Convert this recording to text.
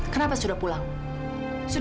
lihat ternyata agak teruk